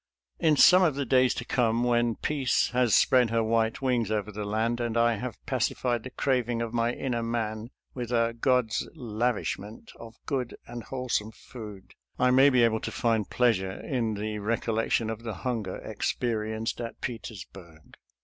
In some of the days to come, when peace has spread her white wings over the land and I have pacified the craving of my inner man with a "God's lavishment" of good and wholesome food, I may be able to find pleasure in the rec ollection of the hunger experienced at Peters burg.